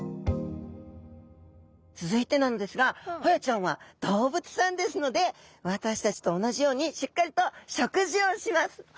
続いてなんですがホヤちゃんは動物さんですので私たちと同じようにしっかりと食事をします。